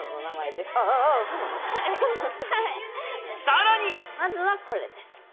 さらにまずはこれです。